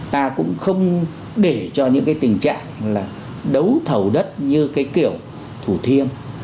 ta cũng không để cho những cái tình trạng là đấu thầu đất như cái kiểu thủ thiêm